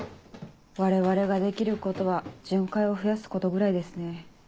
我々ができることは巡回を増やすことぐらいですね。